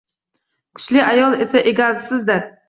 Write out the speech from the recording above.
Kuchli ayol esa egasizdir.